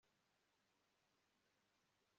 Buri gihe ngura imboga nshya aho kuba izikonje